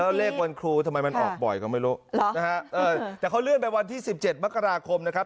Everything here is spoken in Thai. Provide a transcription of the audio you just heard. แล้วเลขวันครูทำไมมันออกบ่อยก็ไม่รู้นะฮะเออแต่เขาเลื่อนไปวันที่สิบเจ็ดมกราคมนะครับ